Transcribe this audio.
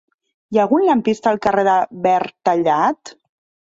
Hi ha algun lampista al carrer de Verntallat?